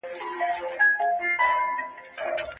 نیک نوم پریږدئ.